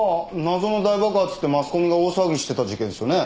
「謎の大爆発」ってマスコミが大騒ぎしてた事件っすよね。